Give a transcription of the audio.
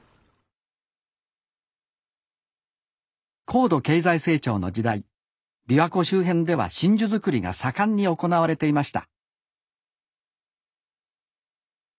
高度経済成長の時代びわ湖周辺では真珠作りが盛んに行われていました